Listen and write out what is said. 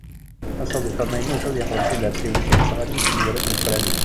Asaḍuf-a amaynut ad yeḥrem tidersiwin timasɣanin seg uzref n tefranin.